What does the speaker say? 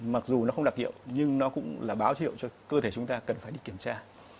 mặc dù nó không đặc hiệu nhưng nó cũng là báo hiệu cho cơ thể chúng ta cần phải đi kiểm tra